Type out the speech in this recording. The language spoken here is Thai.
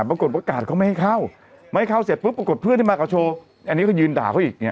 ประกาศเขาไม่ให้เข้าไม่ให้เข้าเสร็จปุ๊บปรากฏเพื่อนที่มาก็โชว์อันนี้ก็ยืนด่าเขาอีกอย่าง